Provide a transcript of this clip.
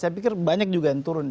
saya pikir banyak juga yang turun